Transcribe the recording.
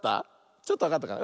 ちょっとわかったかな？